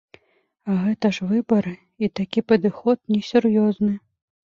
А гэта ж выбары, і такі падыход несур'ёзны.